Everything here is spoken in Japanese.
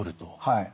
はい。